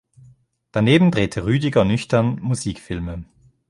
Daneben drehte Rüdiger Nüchtern Musikfilme.